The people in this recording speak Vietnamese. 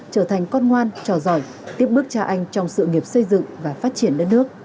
trở thành con ngoan trò giỏi tiếp bước cha anh trong sự nghiệp xây dựng và phát triển đất nước